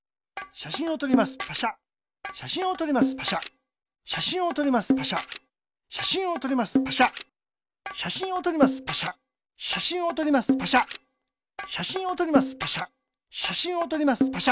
しゃしんをとりますパシャ。